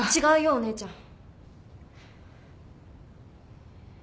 お姉ちゃん。